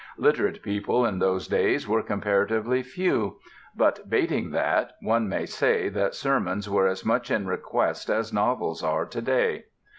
Literate people in those days were comparatively few; but, bating that, one may say that sermons were as much in request as novels are to day.